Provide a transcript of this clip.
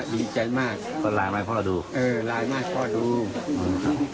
ดีใจมากรายมากพ่อดูเออรายมากพ่อดูอืมครับ